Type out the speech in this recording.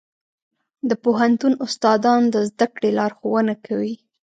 د پوهنتون استادان د زده کړې لارښوونه کوي.